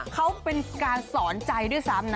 เขาเป็นการสอนใจด้วยซ้ำนะ